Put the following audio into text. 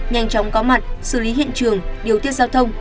nhanh chóng có mặt xử lý hiện trường điều tiết giao thông